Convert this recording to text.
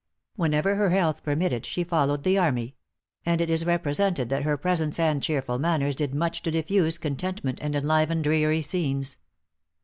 Whenever her health permitted, she followed the army: and it is represented that her presence and cheerful manners did much to diffuse contentment and enliven dreary scenes.